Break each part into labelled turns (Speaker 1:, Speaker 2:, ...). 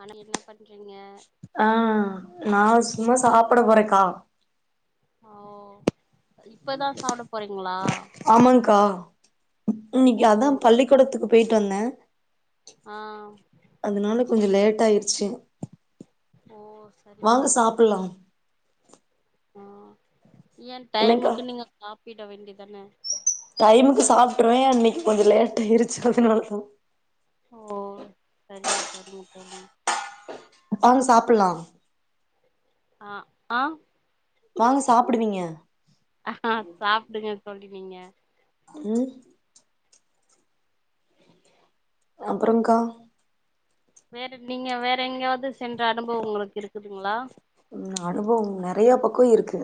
Speaker 1: ஆனால் என்ன பண்றீங்க
Speaker 2: ஆ நா சும்மா சாப்ட போறேக்கா
Speaker 1: ஓஹ்
Speaker 2: ஆமாக்கா
Speaker 1: ஓ
Speaker 2: இன்னைக்கு அதாப் பள்ளிக்கூடத்துக்கு போய்ட்டு வந்தே
Speaker 1: ஆஹ்
Speaker 2: அதனால கொஞ்சோ லேட் ஆயிருச்சு
Speaker 1: ஓ சரிங்க
Speaker 2: வாங்க
Speaker 1: சரிங்க
Speaker 2: சாப்பலா
Speaker 1: ஆ ஏ
Speaker 2: என்னக்கா
Speaker 1: டைமுக்கு நீங்க சாப்பிட வேண்டியதானே
Speaker 2: டைமுக்கு சாப்ட்ருவே இன்னைக்கு கொஞ்ச லேட் ஆயிடுச்சு அதனால தா
Speaker 1: ஓ சரிங்க சரிங்க தோழி
Speaker 2: அப்ப வாங்க சாப்புலா
Speaker 1: ஆ ஆ
Speaker 2: வாங்க சாப்பிடுவீங்க
Speaker 1: ஆ சாப்பிடுங்க தோழி நீங்க
Speaker 2: ம் அப்றம்க்கா
Speaker 1: வேற நீங்க வேற எங்கேயாவது சென்ற அனுபவம் உங்களுக்கு இருக்குதுங்களா
Speaker 2: அனுபவம் நெறைய பக்கோ இருக்கு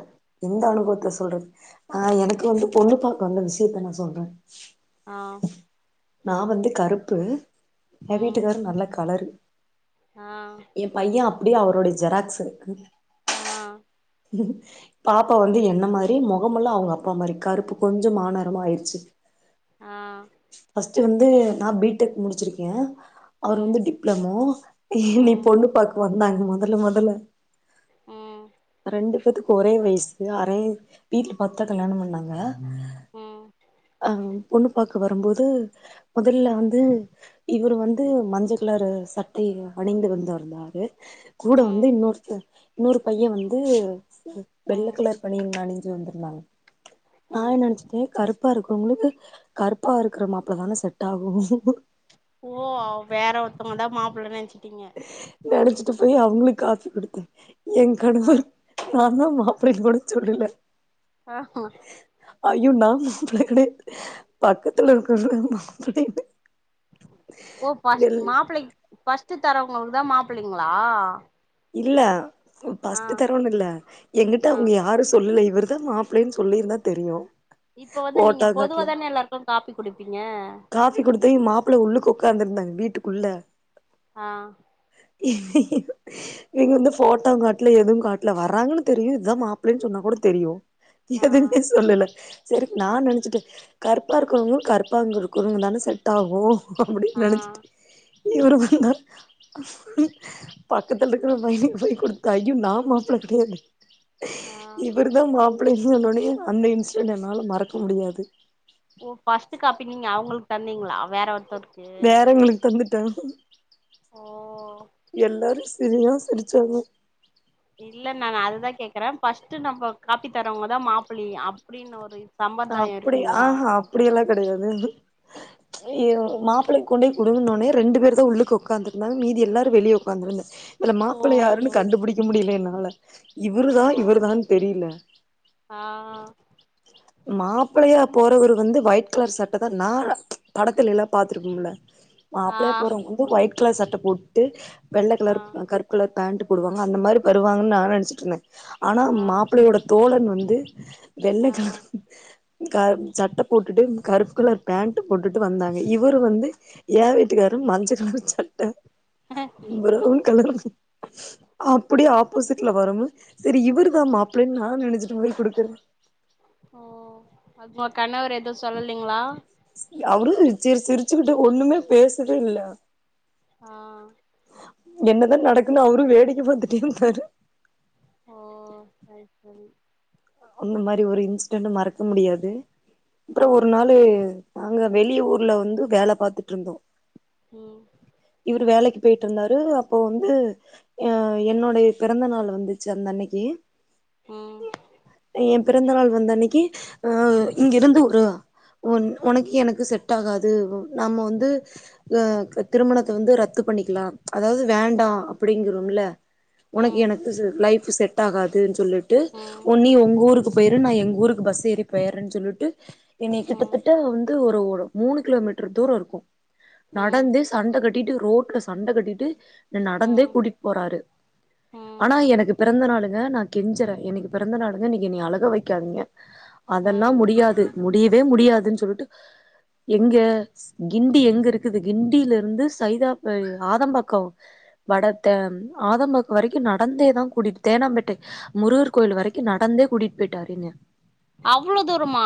Speaker 2: எந்த அனுபவத்த சொல்றது ஆ எனக்கு வந்து பொண்ணு பாக்க வந்த விஷயத்த நா சொல்றே
Speaker 1: ஆஹ்
Speaker 2: நா வந்து கருப்பு எ வீட்டுக்காரரு நல்லா கலரு
Speaker 1: ஆஹ்
Speaker 2: எ பையே அப்டியே அவரோட ஜெராக்ஸு
Speaker 1: ஆஹ்
Speaker 2: பாப்பா வந்து என்ன மாரி முகம்ல்லா அவங்க அப்பா மாரி கருப்பு கொஞ்சோ மானரமா ஆயிருச்சு
Speaker 1: ஆஹ்
Speaker 2: ஃபஸ்ட்டு வந்து நா பீடெக் முடிச்சிருக்கே அவரு
Speaker 1: ம்
Speaker 2: வந்து டிப்ளமோ என்ன
Speaker 1: ம்
Speaker 2: பொண்ணுபாக்க வந்தாங்க முதல்ல முதல்ல
Speaker 1: உம்
Speaker 2: ரெண்டு பேத்துக்கு ஒரே வயசு அரே வீட்டுல பாத்து தா கல்யாணம் பண்ணாங்க
Speaker 1: ம்
Speaker 2: அஹ் பொண்ணு பாக்க வரும்போது முதல்ல
Speaker 1: ம்
Speaker 2: வந்து இவரு வந்து மஞ்சள் கிளறு சட்டைய அணிந்து வந்திருந்தாரு கூட
Speaker 1: ம்
Speaker 2: வந்து இன்னொருத்தர் இன்னொரு பையே வந்து வெள்ள
Speaker 1: ம்
Speaker 2: கலரு பனியன் அணிஞ்சு வந்திருந்தாங்க நா
Speaker 1: ம்
Speaker 2: என்னா நினைச்சிட்டே கருப் கருப்பா இருக்கிறவங்களுக்கு கருப்பா இருக்கிற மாப்பிளதானே செட் ஆகு
Speaker 1: ஓ வேற ஒருத்தவங்கதா மாப்புள்ளைன்னு நினச்சுட்டீங்க
Speaker 2: நெனச்சிட்டு போய் அவங்களுக்கு காபி கொடுத்தே எ
Speaker 1: ஆ
Speaker 2: கணவர் நா தான் மாப்ளைன்னு கூட சொல்லல
Speaker 1: ஆஹ்ஹா
Speaker 2: ஐயோ நா பிளேடு பக்கத்துல இருக்கது பிளேடு
Speaker 1: ஓ பஸ்ட் மாப்பிள்ளை ஃபர்ஸ்ட் தரவங்களுக்கு தா மாப்பிள்ளைங்களா
Speaker 2: இல்ல
Speaker 1: ஆ
Speaker 2: பஸ்ட் தரன்னு இல்ல என்கிட்ட
Speaker 1: ஆ
Speaker 2: அவங்க யாரு சொல்‌ல இவர்தா மாப் பிள்ளேனு சொல்லியிருந்தா தெரியு
Speaker 1: இப்ப வந்து நீங்க
Speaker 2: போட்டோ காட்ல
Speaker 1: பொதுவ தானே எல்லாருக்கு காப்பி குடுப்பீங்க
Speaker 2: ப்பி குடுத்து மாப்புள்ள உள்ளுக்கு உக்காந்துருந்தாங்க வீட்டுக்குள்ள
Speaker 1: ஆஹ்
Speaker 2: நீங்க வந்து போட்டாவு காட்டல எதுவு காட்டல வராங்கன்னு தெரியு இதுதா மாப்ளன்னு சொன்னா கூட தெரியு
Speaker 1: ஆ
Speaker 2: எதுவுமே சொல்லல சேரி நா நெனச்சிட்டே கருப்பா இருக்கிறவங்க கருப்பாங்க இருக்கிறவங்க தானே செட் ஆகு அப்டின்னு
Speaker 1: ஆ
Speaker 2: நெனைச்சிட்டு இவர வந்தாரு பக்கத்துல இருக்கிற பைய போய் குடுத்தா ஐயோ நா மாப்புள்ள கெடையாது
Speaker 1: ஆ
Speaker 2: இவருக் இதா மாப்புள்ள சொன்னவுடனே அந்த இன்சிடென்ட் என்னால மறக்க முடியாது
Speaker 1: ஓ பர்ஸ்ட் காப்பி நீங்க அவங்களுக்கு தந்தீங்களா வேற ஒருத்தருக்கு
Speaker 2: வேறங்களுக்கு தந்துட்டே
Speaker 1: ஓ
Speaker 2: எல்லாரு சி எல்லா சிரிச்சாங்க
Speaker 1: இல்ல நா அதுதா கேக்குறே ஃபர்ஸ்ட் நம்ம காப்பி தரவங்கதா மாப்புள்ள அப்டின்னு ஒரு இது சம்ரதாய
Speaker 2: அப்டி
Speaker 1: இருக்குங்களா
Speaker 2: ஆஹா அப்டியெல்லா கெடையாது மாப்புளைக்கு கொண்டு போய் கொடுன்னோனயே ரெண்டு பேரு தா உள்ளுக்கு உக்காந்துருந்தாங்க மீதி எல்லாரு வெளியே உக்காந்துருந்தாங்க இதுல மாப்புள்ள யாருன்னு
Speaker 1: ஓ
Speaker 2: கண்டுபுடிக்க முடியல என்னால இவரு தா இவரு தான்னு தெரியல
Speaker 1: ஆஹ்
Speaker 2: மாப்பிள்ளையா போறவரு வந்து ஒயிட் கலர் சட்ட தா நா படத்துல்லா பாத்துருக்கோம்ல
Speaker 1: ஆ
Speaker 2: மாப்பிள்ளையா போறவங்க வந்து ஒயிட் கலர் சட்ட போட்டுட்டு வெள்ளை
Speaker 1: ஆ
Speaker 2: கலர் கருப் குள்ள பேண்ட் போடுவாங்க அந்த மாறி வருவாங்கன்னு நா நெனைச்சிட்டு இருந்தே ஆனா
Speaker 1: ஆ
Speaker 2: மாப்புளையோட தோழன் வந்து வெள்ள
Speaker 1: ஆ
Speaker 2: கலரு கருப் சட்ட போட்டுட்டு கருப்பு கலர் பேண்ட் போட்டுட்டு வந்தாங்க இவரு வந்து ஏன் வீட்டுக்காரு மஞ்சகலரு சட்ட
Speaker 1: ஹ
Speaker 2: புரொன் கலரு அப்டியே ஆப்போசிட்ல வரவு சேரி இவர் தான மாப்புள்ளனு நா நெனைச்சிட்டு போய் குடுக்குறே
Speaker 1: ஓ அதுக்கு உங்க கணவர் எது சொல்லலைங்களா
Speaker 2: அவரு சிரி சிரிச்சுக்கிட்டு ஒண்ணுமே பேசவே இல்ல
Speaker 1: ஆஹ்
Speaker 2: என்னதா நடக்குன்னு அவரு வேடிக்கை பத்துட்டே இருந்தாரு
Speaker 1: ஓ சேரி சேரி
Speaker 2: அந்த மாரி ஒரு இன்சிடென் மறக்க முடியாது
Speaker 1: ஆ
Speaker 2: அப்ற ஒரு நாளு நாங்க வெளியு ஊர்ல வந்து வேல பாத்துட்டு இருந்தோ
Speaker 1: ம்
Speaker 2: இவரு வேலைக்கு போயிட்டு இருந்தாரு அப்போ வந்து அ என்னுடைய பிறந்த நாள் வந்துச்சு அந்த அன்னைக்கு
Speaker 1: ம்
Speaker 2: எ பிறந்த நாள் வந்த அன்னைக்கு அ இங்கிருந்து ஒரு உன் உனக்கு எனக்கு செட் ஆகாது நாம வந்து க்கு திருமணத்த வந்து ரத்து பண்ணிக்லா அதாவது வேண்டாம்
Speaker 1: ம்
Speaker 2: அப்டிங்கிறம்ல உனக்கு
Speaker 1: ம்
Speaker 2: எனக்கு லைப் செட் ஆகாதுன்னு சொல்லிட்டு
Speaker 1: ம்
Speaker 2: ஒ நீ உங்க ஊருக்குப் போயிறு நா எங்க ஊருக்கு பஸ் ஏறி போயறன்னு சொல்லிட்டு என்னைய கிட்டத்திட்ட வந்து ஒரு ஒரு மூணு கிலோமீட்டர் தூரம் இருக்கும்
Speaker 1: ம்
Speaker 2: நடந்தே சுத் சண்ட கட்டிட்டு ரோட்ல சண்ட கட்டிட்டு என நடந்தே
Speaker 1: ம்
Speaker 2: கூட்டிட்டு போறாரு
Speaker 1: ம்
Speaker 2: ஆனா எனக்கு பிறந்த நாளுங்க நா கெஞ்சறே எனக்கு பிறந்த நாளுங்க நீங்க என்னைய அழக வெக்காதீங்க அதெல்லா
Speaker 1: ம்
Speaker 2: முடியாது முடியவே முடியாதுன்னு சொல்லிட்டு எங்க கிண்டி எங்க இருக்குது கிண்டியில வந்து சைதா போ ஆதம்பாக்கம் வடத்த ஆதம்பாக்கம் வரைக்கு நடந்தேதா கூடிட்டு தேனாம்பேட்டை முருகர் கோயில் வரைக்கு நடந்தே கூட்டிட்டு போயிட்டாருங்க
Speaker 1: அவ்ளோ தூரமா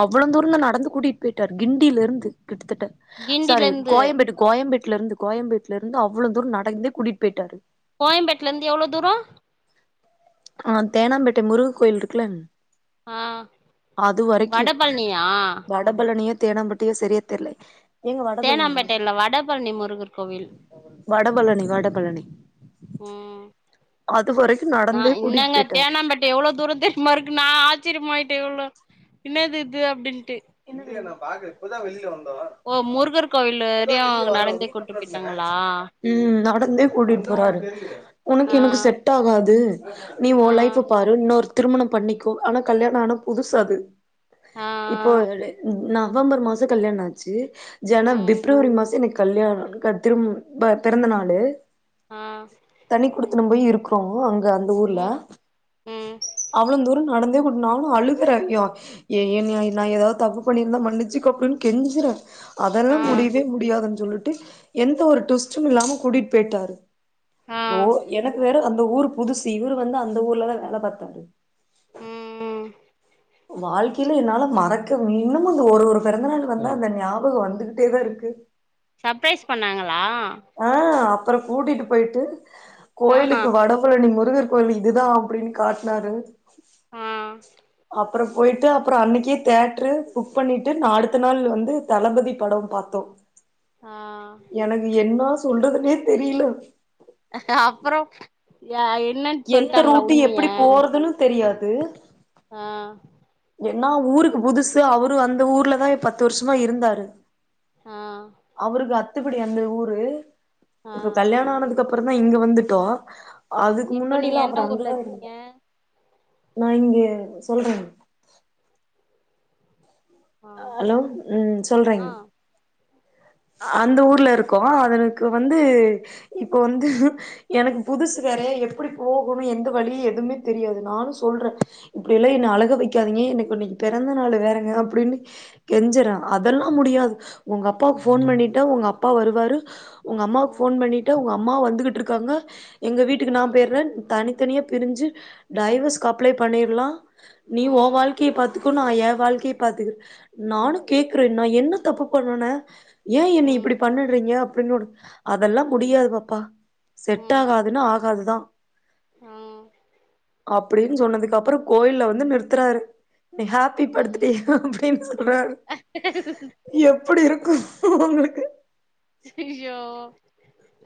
Speaker 2: அவ்வளோ தூரந்தா நடந்து கூட்டிட்டு போயிட்டாரு கிண்டில இருந்து கிட்டத்தட்ட
Speaker 1: கிண்டில
Speaker 2: சாரி
Speaker 1: இருந்து
Speaker 2: கோயம்பேடு கோயம்பேட்டுல இருந்து கோயம்பேட்டுல இருந்து அவ்வளோ தூரம் நடந்தே கூட்டிட்டு போயிட்டாரு
Speaker 1: கோயம்பேட்ல இருந்து எவ்ளோ தூரோ
Speaker 2: ஆ தேனாம்பேட்டை முருக கோயில் இருக்குல்ல
Speaker 1: ஆ வடபழனியா
Speaker 2: வடபழனியோ தேனாபேட்டாயோ சரிய தெர்ல ஏங்க வடபழனி
Speaker 1: தேனாம்பேட்டையில்ல வடபழனி முருகர் கோவில்
Speaker 2: வடபழனி வடபழனி அது வரைக்கு நடந்தே கூட்டிட்டு
Speaker 1: ன்னாங்க
Speaker 2: போயிட்டாரு
Speaker 1: தேனாம்பேட் எவ்ளோ தூரோ தெரியுமா இருக்கு நா ஆச்சிரியமாயிட்டு எவ்ளோ என்னாதிது அப்டின்ட்டு
Speaker 2: பின்னடியா நா ‌பாக்கல இப்பதா வெளில வந்தோ
Speaker 1: ஓ முருகர் கோவில் வரையு நடந்தே கூட்டு போயிட்டாங்களா
Speaker 2: ம் நடந்தே கூட்டிட்டு போறாரு உனுக்கு
Speaker 1: ஆ
Speaker 2: எனுக்கு செட் டாகாது நீ ஒ
Speaker 1: ஆ
Speaker 2: லைஃப் பாரு இன்னொரு திருமணம் பண்ணிக்கோ ஆனா கல்யாண ஆனா புதுசு அது
Speaker 1: ஆ
Speaker 2: நவம்பர் மாசோ கல்யாணோ ஆச்சு‌ ஜன
Speaker 1: ம்
Speaker 2: பிப்ரவரி மாச எனுக் கல்யாண க திரும்ப பிறந்த நாளு
Speaker 1: ஆ
Speaker 2: தனி குடுத்தனம் போய் இருக்கறோ அங்க அந்த ஊர்ல
Speaker 1: ம் ம்
Speaker 2: அவ்ளவு தூரம் நடந்தே கூட்டுன் நானும் அழுகுறே யே யேங்க நா ஏதாவது தப்பு பண்ணிருந்தா மன்னிச்சுக்கே அப்டின்னு கெஞ்சிறே அதெல்லா
Speaker 1: ஆ
Speaker 2: முடியவே முடியாதுன்னு சொல்லிட்டு எந்த ஒரு டுவிஸ்ட்டும் இல்லாம கூட்டிட்டு போயிட்டாரு
Speaker 1: ஆ
Speaker 2: ரோ எனக்கு வேற அந்த ஊரு புதுசு இவரு வந்து அந்த ஊர்லதா வேல பாத்தாரு
Speaker 1: ம் ம்
Speaker 2: வாழ்க்கையில என்னால மறக்க இன்னுமு அந்த ஒரு ஒரு பெறந்த நாள் வந்தா அந்த ஞாபகம் வந்துகிட்டே தா இருக்கு
Speaker 1: சப்ரைஸ் பண்ணாங்களா
Speaker 2: ஆ அப்புற கூட்டிட்டு போயிட்டு
Speaker 1: ஆஹா
Speaker 2: கோயிலுக்கு வடபழனி முருகர் கோயில் இதுதா அப்புடின் காட்டுனாரு
Speaker 1: ஆ
Speaker 2: அப்புறம் போயிட்டு அப்புறம் அன்னைக்கே தேட்ரு புக் பண்ணிட்டு நா அடுத்த நாள் வந்து தளபதி படோ பாத்தோ
Speaker 1: ஆ
Speaker 2: எனக்கு என்னா சொல்றதுன்னே தெரியல
Speaker 1: அப்புறோ எ என்னன்னு
Speaker 2: எந்த
Speaker 1: சொல்ட்டாங்களா
Speaker 2: ரூட்டு
Speaker 1: உண்மைய
Speaker 2: எப்டி போறதுன்னு தெரியாது
Speaker 1: ஆ
Speaker 2: என்னா ஊருக்கு புதுசு அவுரு அந்த ஊர்லதா பத்து வருஷமா இருந்தாரு
Speaker 1: ஆ
Speaker 2: அவருக்கு அத்துபடி அந்த ஊரு
Speaker 1: ஆ
Speaker 2: இப்ப கல்யாண ஆனத்துக் க்கு அப்புற தா இங்க வந்துட்டோ அதுக்கு
Speaker 1: இப்ப நீங்க
Speaker 2: முன்னாடிலா அவரு
Speaker 1: என்ன ஊர்ல
Speaker 2: அங்கதா
Speaker 1: இருக்கீங்க
Speaker 2: இருந்தாரு நா இங்கே சொல்ற
Speaker 1: ஆ
Speaker 2: ஹலோ ம் சொல்றங்
Speaker 1: ஆ
Speaker 2: அந்த ஊர்ல இருக்கோ அவனுக்கு வந்து இப்போ வந்து எனக்கு புதுசு வேறய எப்படி போகணும் எந்த வழி எதுவுமே தெரியாது நானும் சொல்ற இப்டியெல்லா என்ன அழுக வெக்காதீங்க எனக்கு இன்னைக்கு பெறந்த நாள் வேறங்க அப்டின்னு கெஞ்சறா அதெல்லா முடியாது உங்க அப்பாவுக்கு ஃபோன் பண்ணிட்ட உங்க அப்பா வருவாரு உங்க அம்மாவுக்கு
Speaker 1: ம்
Speaker 2: ஃபோன் பண்ணிட்ட உங்க அம்மாவு வந்துகிட்ருக்காங்க எங்க வீட்டுக்கு நா
Speaker 1: ம்
Speaker 2: போய்றேன் தனித்தனியா பிரிஞ்சு டைவர்ஸ்கு அப்ளே பண்ணிர்லா நீ உன்
Speaker 1: ம்
Speaker 2: வாழ்க்கைய பாத் த்துக்கோ நா என் வாழ்க்கைய பாத்துக் நானும் கேக்குற நா என்ன தப்பு பண்ணுன ஏன் என்னைய் இப்படி
Speaker 1: ம்
Speaker 2: பண்ணுட்றீங்க அப்டின்னு அதெல்லா முடியாது பாப்பா செட்
Speaker 1: ம்
Speaker 2: ஆகாதுன்னா ஆகாதுதா
Speaker 1: ம்
Speaker 2: அப்படின் சொன்னதுக்கு அப்புறம் கோயில்ல வந்து நிறுத்துறாரு நீ ஹாப் ப்பி
Speaker 1: ஆ
Speaker 2: பர்த்துடே அப்டின் சொல்றரு
Speaker 1: ஆ
Speaker 2: எப்படி இருக்கும் உங்குளுக்கு
Speaker 1: அய்யோ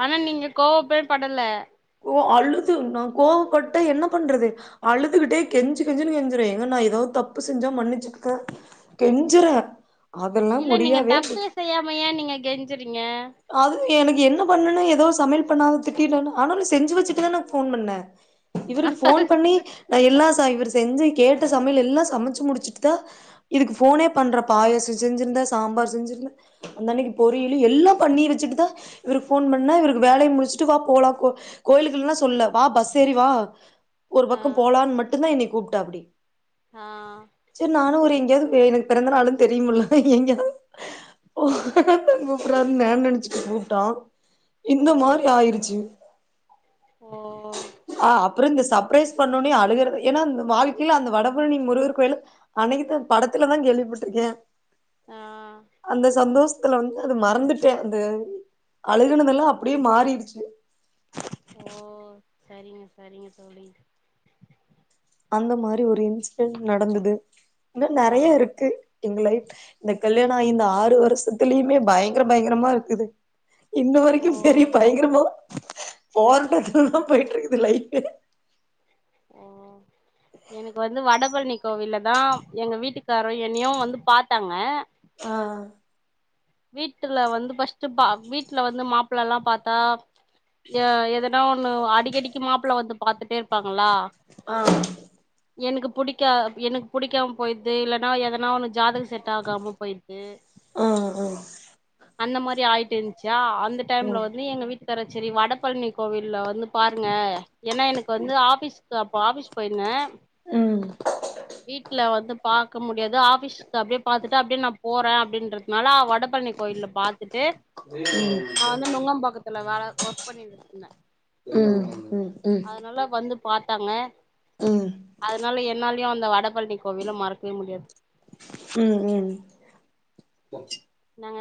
Speaker 1: ஆனா நீங்க கோவப்பே படல
Speaker 2: ஓ அழுது நா கோவப்பட்டு என்ன பண்றது அழுதுகிட்டே கெஞ்சி கெஞ்சுன்னு கெஞ்சுறே ஏங்க நா எதாவ்து தப்பு செஞ்சா மன்னிச்சுக்க கெஞ்சுற அதெல்லாம் முடியாவே
Speaker 1: செய்யாமையா நீங்க கெஞ்சுறீங்க
Speaker 2: அது எனக்கு என்ன பண்ணுனே ஏதோ சமையல் பண்ணாத திட்டிட்டனோ ஆனாலும் செஞ்சு வச்சிட்டு தா நா ஃபோன் பண்ண இவுருக்கு ஃபோன் பண்ணி நா எல்லா சா இவுரு செஞ்சு கேட்ட சமையல் எல்லா சமச்சு முடிச்சுட்டுதா இதுக்கு ஃபோனே பண்ற பாயசம் செஞ்சிருந்த சாம்பார் செஞ்சிருந்த அந்த அன்னைக்கு பொரியலு எல்லாம் பண்ணி வச்சிட்டு தா இவுருக் ஃபோன் பண்ண இவருக்கு வேலைய முடிச்சுட்டு வா போலாம் கோ கோயிலுக்குல்லா சொல்ல வா பஸ் ஏறி வா ஒரு
Speaker 1: ஆ
Speaker 2: பக்கம் போலான் மட்டு தா என்னைய கூப்ட்டாப்படி
Speaker 1: ஆ
Speaker 2: செரி நானும் அவரு எங்கேயாவ்து எனக் பிறந்த நாளுன் தெரியும்ல எங்க கூப்பிட்றாரு னு நா நெனைச்சுட்டு கூப்ட்டா இந்த
Speaker 1: ம்
Speaker 2: மாரி ஆயிருச்சு
Speaker 1: ஓ
Speaker 2: அ அப்புறோ இந்த சப்ரைஸ் பண்ணோனே அழுகற ஏன்னா வாழ்க்கையில அந்த வடபழனி முருகர் கோயில அன்னைக்குதா படத்துல தா கேள்விப்பட்ருக்க
Speaker 1: ஆ
Speaker 2: அந்த சந்தோஷத்துல வந்து அது மறந்துட் ட அந்த அழுகுனதெல்லா அப்டியே மாறிடுச்சு
Speaker 1: ஓ சரிங்க சரிங்க தோழி
Speaker 2: அந்த மாரி ஒரு இன்சிடென்ட் நடந்தது இன்னும்
Speaker 1: ஆ
Speaker 2: நெறைய இருக்கு இன் லைஃப் இந்த கல்யாணோ ஆயி இந்த ஆறு வருஷத்துலயுமே பயங்கர பயங்கரமா இருக்குது இன்ன
Speaker 1: ஓ
Speaker 2: வரைக்கும் பெரிய பயங்கரமா போரட்டதுல்ல தா போயிட்டு இருக்குது லைஃப்பு
Speaker 1: ஆ எனக்கு வந்து வடபழனி கோவில்ல தா எங்க வீட்டுக்காரோ என்னையும் வந்து பாத்தாங்க
Speaker 2: ஆ ஆ
Speaker 1: வீட்டுல வந்து ஃபர்ஸ்ட்டு பா வீட்ல வந்து மாப்ளல்லா பாத்தா யா எதனா ஒண்ணு அடிக்கடிக்கு மாப்ள வந்து பாத்துட்டே இருப்பாங்ளா
Speaker 2: ஆ
Speaker 1: எனக்கு புடிக்கா எனக்கு புடிக்காம போயிட்து இல்லனா எதனா ஒன்னு ஜாதக செட் ஆகாம போயிட்து
Speaker 2: ஆ ஆ
Speaker 1: அந்த மாரி ஆயிட் இந்துச்சா அந்த டைம்ல வந்து எங்க வீட்டுகார சரி வடபழனி கோவில்ல வந்து பாருங்க ஏன்னா எனக்கு வந்து ஆஃபீஸ்க்கு அப்போ ஆஃபீஸ் போயிந்தே
Speaker 2: ம்
Speaker 1: வீட்ல வந்து பாக் க முடியாது ஆஃபீஸ்க்கு அப்டே பாத்துட்டு அப்டியே நா போறே அப்டின்றதுனால வடப்பழனி கோயில்ல பாத்துட்டு நா வந்து நுங்கபாக்கத் துல வேல ஒர்க் பண்ணிட்ருந்தே
Speaker 2: ம் ம் ம் ம்
Speaker 1: அதனால வந்து பாத்தாங்க
Speaker 2: ம்
Speaker 1: அதனால என்னாலயு அந்த வடப்பழனி கோவில மறக்கவே முடியாது
Speaker 2: ம் ம்
Speaker 1: நாங்க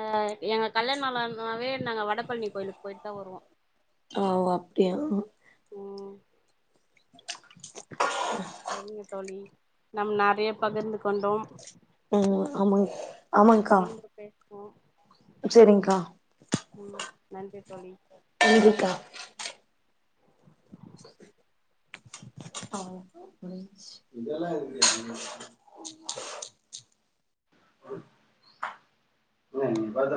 Speaker 1: எங்க கல்யாண நாள் ஆனானாவே நாங்க வடப்பழனி கோயிலுக்கு போயிட்டு தா வருவோ
Speaker 2: ஓ அப்டியா
Speaker 1: ம் சரிங்க தோழி நம் நெறைய பகிர்ந்து கொண்டோ
Speaker 2: ம் ஆமாங் ஆமாங்க்கா
Speaker 1: ஓ
Speaker 2: செரிங்க்கா
Speaker 1: ம் நன்றி தோழி
Speaker 2: நன்றிக்கா அப்போ முடிஞ்ச்சு இல்ல என்னைய பாத்தா